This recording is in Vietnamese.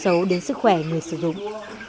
và sẽ tăng đậm sấu đến sức khỏe người sử dụng